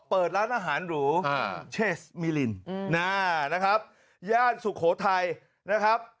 เปิดร้านอาหารหรูเชสมิลินนะครับย่านสุโขทัยนะครับ